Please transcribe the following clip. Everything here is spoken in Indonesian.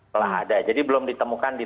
telah ada jadi belum ditemukan di